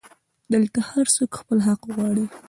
دلته هرڅوک خپل حق غواړي